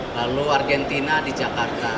lalu argentina di jakarta